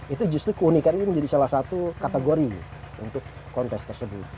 itu justru keunikan ini menjadi salah satu kategori untuk kontes tersebut